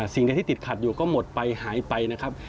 สิ่งใดที่ติดขัดอยู่ก็หมดไปหายไปนะครับ